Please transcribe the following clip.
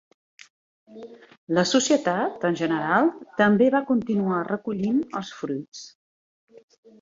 La societat, en general, també va continuar recollint els fruits.